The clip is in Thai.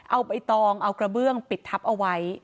เอาใบตองเอากระเบื้องปิดทับเอาไว้